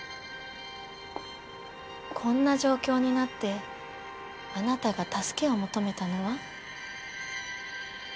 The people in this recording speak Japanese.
こんな状況になってあなたが助けを求めたのは？